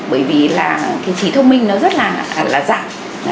bởi vì là cái trí thông minh nó rất là giảm